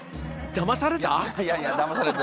だまされた！？